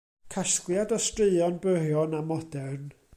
Casgliad o straeon byrion a modern.